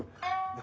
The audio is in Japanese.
何！？